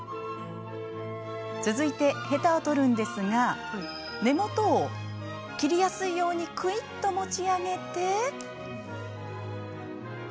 続いてヘタを取るんですが根元を切りやすいようにくいっと持ち上げて。